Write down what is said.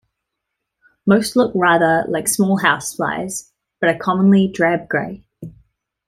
Most look rather like small houseflies, but are commonly drab grey.